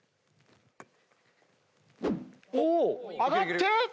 お上がって。